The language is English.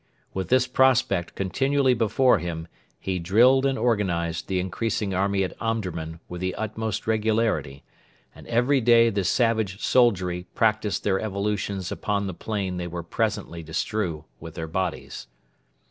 With this prospect continually before him he drilled and organised the increasing army at Omdurman with the utmost regularity, and every day the savage soldiery practised their evolutions upon the plain they were presently to strew with their bodies.